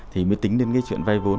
thì mới tính đến chuyện vay vốn